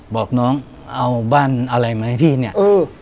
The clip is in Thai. บอกน้องเอาบ้านอะไรมาให้พี่เนี่ยเออ